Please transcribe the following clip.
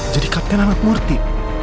jadi kapten anak murti